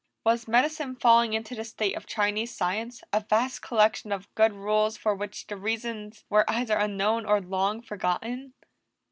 Was medicine falling into the state of Chinese science a vast collection of good rules for which the reasons were either unknown or long forgotten?